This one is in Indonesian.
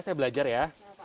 saya belajar ya